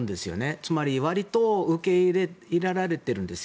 つまり、割と受け入れられているんですよ。